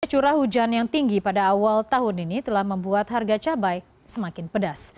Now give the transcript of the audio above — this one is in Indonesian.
curah hujan yang tinggi pada awal tahun ini telah membuat harga cabai semakin pedas